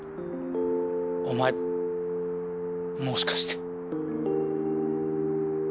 お前もしかして。